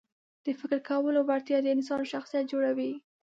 د فکر کولو وړتیا د انسان شخصیت جوړوي.